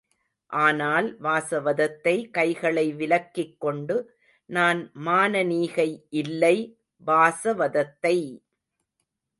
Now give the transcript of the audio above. ஆனால், வாசவதத்தை கைகளை விலக்கிக்கொண்டு, நான் மானனீகை இல்லை வாசவதத்தை!